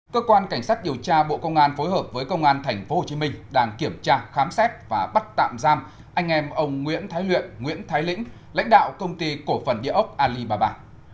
cơ quan cảnh sát điều tra bộ công an phối hợp với công an tp hcm đang kiểm tra khám xét và bắt tạm giam anh em ông nguyễn thái luyện nguyễn thái lĩnh lãnh đạo công ty cổ phần địa ốc alibaba